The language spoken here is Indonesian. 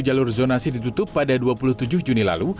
jalur zonasi ditutup pada dua puluh tujuh juni lalu